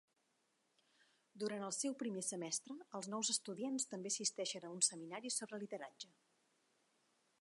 Durant el seu primer semestre, els nous estudiants també assisteixen a un seminari sobre lideratge.